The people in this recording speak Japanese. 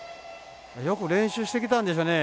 よく練習してきたんでしょうね。